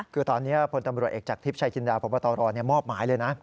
คือตอนนี้พลตำรวจเอกจากทิพย์ชายจินดาพบตรมอบหมายเลยนะ